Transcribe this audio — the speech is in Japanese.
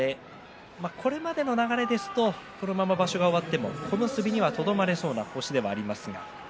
これまでの流れですとこのまま場所が終わっても小結にはとどまれそうな星ではあります。